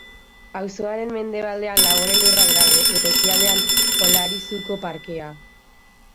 Auzoaren mendebaldean labore lurrak daude, eta ekialdean Olarizuko parkea.